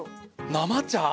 生茶！